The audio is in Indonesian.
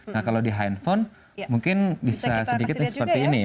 nah kalau di handphone mungkin bisa sedikit seperti ini ya